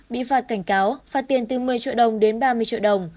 bị phạt cảnh cáo phạt tiền từ một mươi triệu đồng đến ba mươi triệu đồng